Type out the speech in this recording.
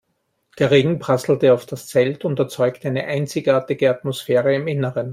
Der Regen prasselte auf das Zelt und erzeugte eine einzigartige Atmosphäre im Innern.